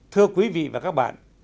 thưa quý vị và các bạn